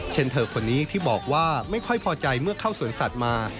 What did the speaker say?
เธอคนนี้ที่บอกว่าไม่ค่อยพอใจเมื่อเข้าสวนสัตว์มา